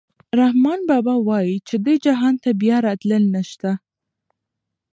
رحمان بابا وايي چې دې جهان ته بیا راتلل نشته.